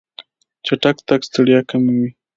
چټک تګ ستړیا کموي.